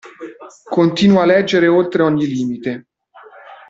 Continua a leggere Oltre ogni limite.